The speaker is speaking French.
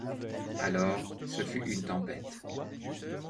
Alors, ce fut une tempête.